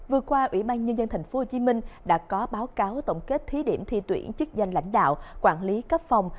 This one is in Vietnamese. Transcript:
vừa qua ủy ban nhân dân tp hcm đã có báo cáo tổng kết thí điểm thi tuyển chức danh lãnh đạo quản lý cấp phòng